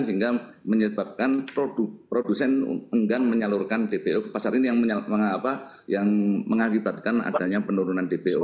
sehingga menyebabkan produsen enggan menyalurkan dpo ke pasar ini yang mengakibatkan adanya penurunan dpo